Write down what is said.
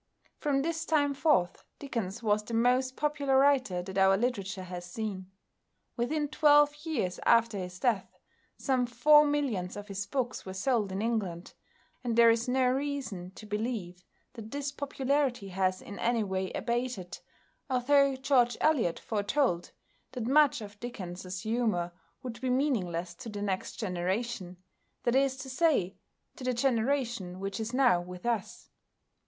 From this time forth Dickens was the most popular writer that our literature has seen. Within twelve years after his death some four millions of his books were sold in England, and there is no reason to believe that this popularity has in any way abated, although George Eliot foretold that much of Dickens's humour would be meaningless to the next generation, that is to say, to the generation which is now with us.